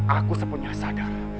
aku sepunya sadar